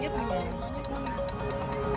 besar sebelumnya kehalikan tikungan besar di indonesia